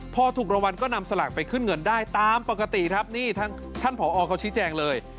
พอถูกรวรรณก็นำสลักไปขึ้นเงินได้ตามปกติท่านพอเขาชี้แจงเลย